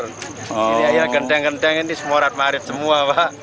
ini aja gendeng gendeng ini semorat marit semua